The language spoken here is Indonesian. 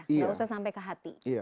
nggak usah sampai ke hati